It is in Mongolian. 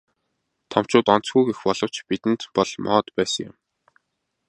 Томчууд онцгүй гэх боловч бидэнд бол моод байсан юм.